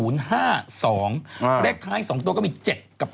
เลขท้าย๒ตัวก็มี๗กับ๘